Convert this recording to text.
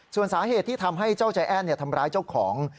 ส่วนสาเหตุที่ทำให้เจ้าใจแอ้นทำร้ายเจ้าของ